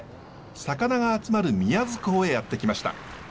魚が集まる宮津港へやって来ました。